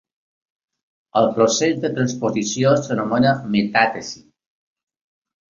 El procés de transposició s'anomena metàtesi.